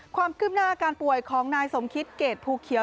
ความคืบหน้าอาการป่วยของนายสมคิตเกรดภูเขียว